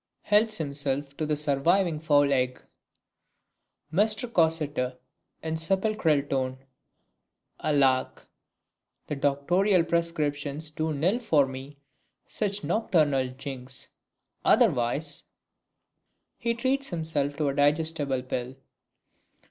[Helps himself to the surviving fowl egg. Mr Cossetter (in sepulchral tone). Alack! that doctorial prescriptions do nill for me such nocturnal jinks; otherwise [_He treats himself to a digestible pill.